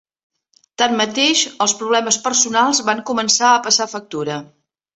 Tanmateix, els problemes personals van començar a passar factura.